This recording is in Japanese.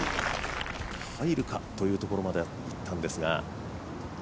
入るかというところまであったんですが。